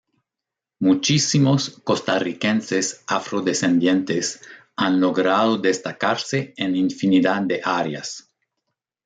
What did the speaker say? Muchísimos costarricenses afrodescendientes han logrado destacarse en infinidad de áreas.